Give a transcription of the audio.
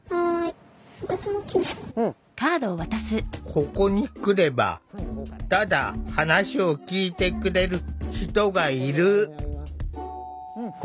ここに来ればただ話を聴いてくれる人がいる。